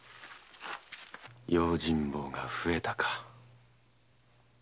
用心棒が増えたか。